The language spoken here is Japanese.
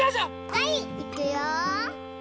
はいいくよ。